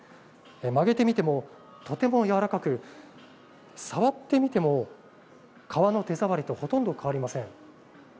曲げてみても、とても柔らかく、触ってみても、革の手触りとほとんど変わりません。